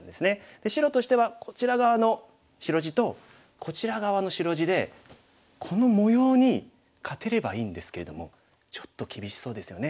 で白としてはこちら側の白地とこちら側の白地でこの模様に勝てればいいんですけれどもちょっと厳しそうですよね。